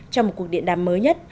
trong một cuộc điện đàm mới nhất